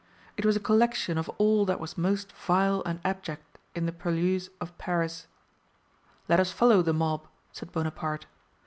It was a collection of all that was most vile and abject in the purlieus of Paris. "Let us follow the mob," said Bonaparte.